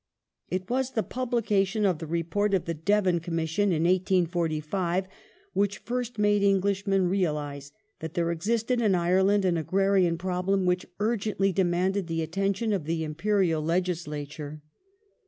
The It was the publication of the Report of the Devon Commission Com'" ^^ 1845 which first made Englishmen realize that there existed in mission Ireland an agrarian problem, which urgently demanded the atten tion of the Imperial Legislature.